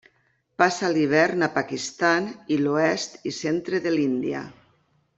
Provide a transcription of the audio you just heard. Passa l'hivern a Pakistan i l'oest i centre de l'Índia.